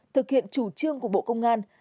thực hiện chủ trương của bộ công an